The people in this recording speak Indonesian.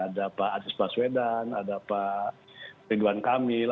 ada pak anies baswedan ada pak ridwan kamil